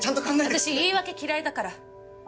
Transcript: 私言い訳嫌いだから。